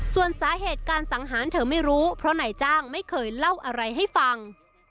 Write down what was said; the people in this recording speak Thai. ส่วนสาเหตุการสังหารเธอไม่รู้เพราะนายจ้างไม่เคยเล่าอะไรให้ฟัง